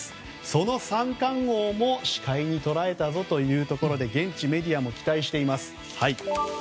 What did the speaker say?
その三冠王も視界に捉えたぞというところで現地メディアも期待しています。